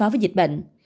với dịch bệnh